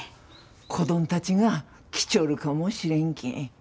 子どんたちが来ちょるかもしれんけん。